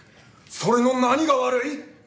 それの何が悪い？